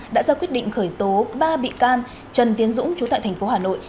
đã ra quyết định khởi tố ba bị can trần tiến dũng trú tại tp hà nội